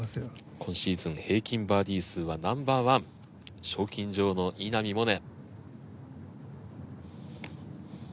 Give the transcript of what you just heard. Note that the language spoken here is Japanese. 今シーズン平均バーディー数はナンバー１賞金女王の稲見萌寧。